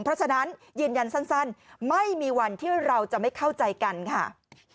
เพราะฉะนั้นยืนยันสั้นไม่มีวันที่เราจะไม่เข้าใจกันค่ะ